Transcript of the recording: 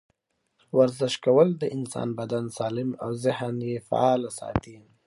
ورزش کول د انسان بدن سالم او ذهن یې فعاله ساتي.